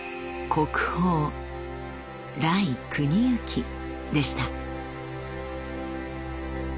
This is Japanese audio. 国宝来国行でした。